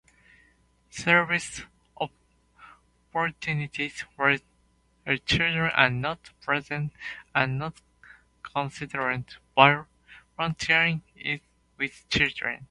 Service opportunities where children are not present are not considered “volunteering with children”.